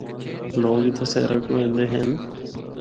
لوگ اِتھا سیرا کو ایندے ہن۔